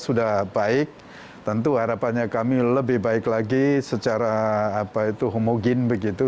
sudah baik tentu harapannya kami lebih baik lagi secara homogen begitu